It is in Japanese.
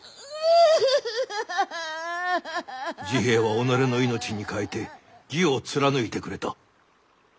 治平は己の命に代えて義を貫いてくれた。